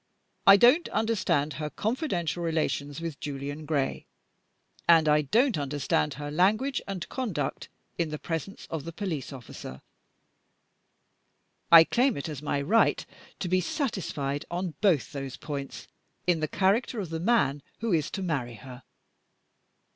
I don't understand her confidential relations with Julian Gray, and I don't understand her language and conduct in the presence of the police officer. I claim it as my right to be satisfied on both those points in the character of the man who is to marry her.